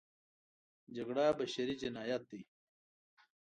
جګړه بشري جنایت دی.